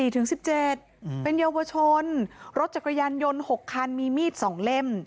ถึง๑๗เป็นเยาวชนรถจักรยานยนต์๖คันมีมีด๒เล่ม